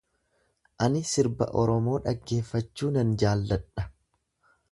Ani sirba Oromoo dhaggeeffachuu nan jaalladha.